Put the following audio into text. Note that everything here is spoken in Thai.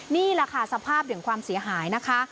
นี่แหละค่ะสภาพถึงความเสียหายนะคะ